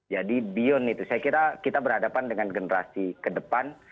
jadi bion itu saya kira kita berhadapan dengan generasi ke depan